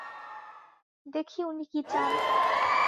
দেখি উনি কী চান।